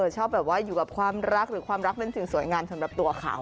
ชอบแบบว่าอยู่กับความรักหรือความรักเป็นสิ่งสวยงามสำหรับตัวเขา